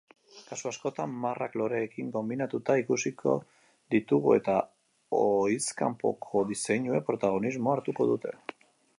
Kasu askotan marrak loreekin konbinatuta ikusiko ditugu eta ohizkanpoko diseinuek protagonismoa hartuko dute.